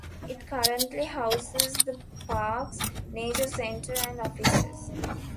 It currently houses the parks Nature Center and offices.